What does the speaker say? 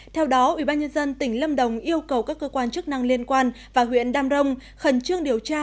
theo đó ủy ban nhân dân tỉnh lâm đồng yêu cầu các cơ quan chức năng liên quan và huyện đam rồng khẩn trương điều tra